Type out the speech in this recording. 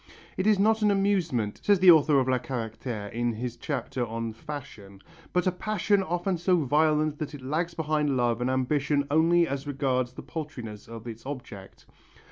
"It is not an amusement," says the author of Les Caractères in his chapter on Fashion, "but a passion often so violent that it lags behind love and ambition only as regards the paltriness of its object."